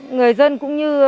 người dân cũng như